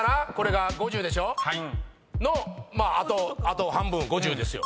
のあと半分５０ですよ。